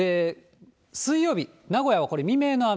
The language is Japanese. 水曜日、名古屋はこれ、未明の雨。